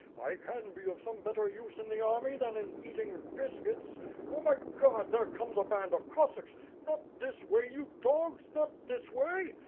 I can be of some better use in the army than in eating biscuits. Oh, my God, there comes a band of Cossacks! Not this way, you dogs, not this way!